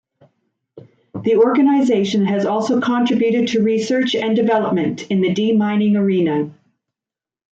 The organization has also contributed to research and development in the de-mining arena.